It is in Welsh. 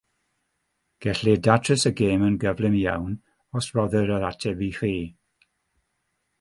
Gellir datrys y gêm yn gyflym iawn os rhoddir yr ateb i chi.